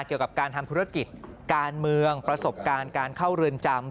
เกี่ยวกับการทำธุรกิจการเมืองประสบการณ์การเข้าเรือนจำ